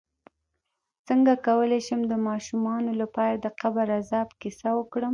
څنګه کولی شم د ماشومانو لپاره د قبر عذاب کیسه وکړم